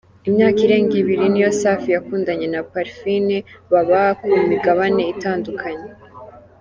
Imyaka irenga ibiri niyo Safi yakundanye na Parfine baba ku migabane itandukanye.